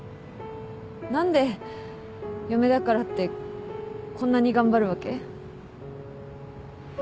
何で嫁だからってこんなに頑張るわけ？